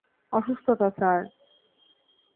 অসুস্থতা, স্যার।